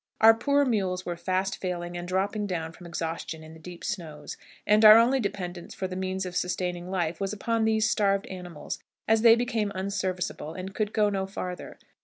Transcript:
Our poor mules were fast failing and dropping down from exhaustion in the deep snows, and our only dependence for the means of sustaining life was upon these starved animals as they became unserviceable and could go no farther.